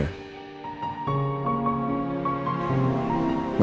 masih ada kebohongan yang gue simpat